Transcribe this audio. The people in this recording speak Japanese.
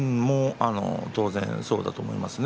当然そうだと思いますね。